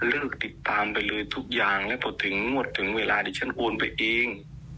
เลิกติดตามไปเลยทุกอย่างแล้วพอถึงงวดถึงเวลาที่ฉันโอนไปเอง